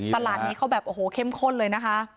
ตลาดนี้เขาแบบโอ้โหเข้มข้นเลยนะคะ